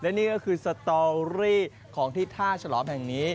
และนี่ก็คือสตอรี่ของที่ท่าฉลอมแห่งนี้